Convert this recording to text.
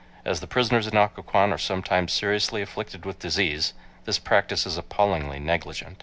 As the prisoners in Occoquan are sometimes seriously afflicted with disease, this practice is appallingly negligent.